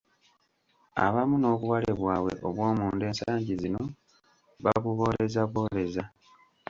Abamu n'obuwale bwabwe obw'omunda ensangi zino babubooleza bwoleza!